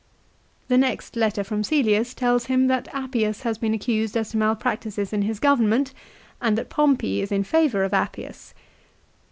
The next letter from Cselius tells him that Appius has been accused as to malpractices in his government, and that Pompey is in favour of Appius.